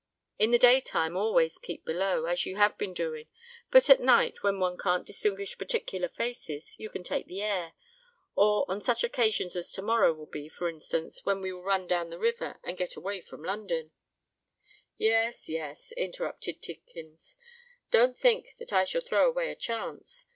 In the day time always keep below, as you have been doing; but at night, when one can't distinguish particular faces, you can take the air;—or on such occasions as to morrow will be, for instance,—when we run down the river, and get away from London——" "Yes, yes," interrupted Tidkins: "don't think that I shall throw away a chance.